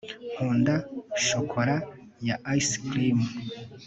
nkunda shokora ya ice cream